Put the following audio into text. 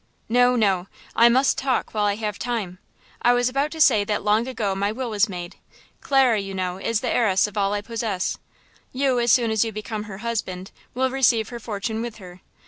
"No, no; I must talk while I have time. I was about to say that long ago my will was made. Clara, you know, is the heiress of all I possess. You, as soon as you become her husband, will receive her fortune with her.